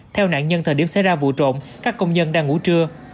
theo nạn nhân thời điểm xảy ra vụ trộm các công nhân đang ngủ trưa